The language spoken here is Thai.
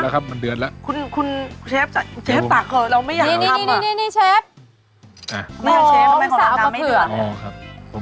เผ็ดครับเผ็ดเผ็ดเผ็ดพอ